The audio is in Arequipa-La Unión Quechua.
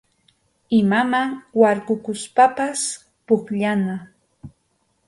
Imaman warkukuspapas pukllana.